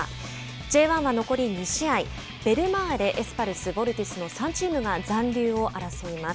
Ｊ１は残り２試合ベルマーレ、エスパルスヴォルティスの３チームが残留を争います。